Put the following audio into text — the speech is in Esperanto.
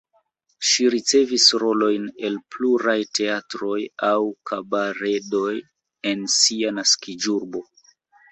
Ŝi ricevis rolojn en pluraj teatroj aŭ kabaredoj en sia naskiĝurbo.